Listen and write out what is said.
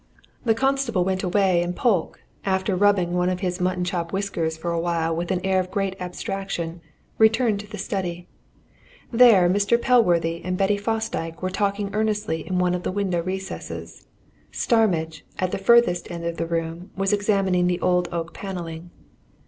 The constable went away, and Polke, after rubbing one of his mutton chop whiskers for awhile with an air of great abstraction, returned to the study. There Mr. Pellworthy and Betty Fosdyke were talking earnestly in one of the window recesses; Starmidge, at the furthest end of the room, was examining the old oak panelling.